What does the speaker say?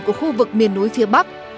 của khu vực miền núi phía bắc